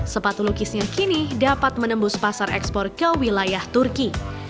sepatu lukisnya kini dapat menembus pasar ekspor ke wilayah turki